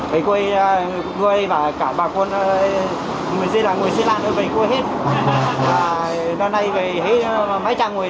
xin hỗ trợ bà con nó về đến tại nhà luôn